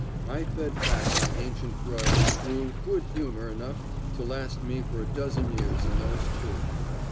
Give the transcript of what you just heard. I fed fat my ancient grudge and grew good humor enough to last me for a dozen years in those two.